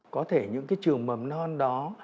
có thể những cái trường mầm non đó